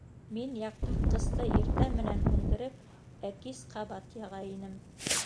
Мин яҡтыртҡсты иртә менән һүндереп, ә кис ҡабат яға инем.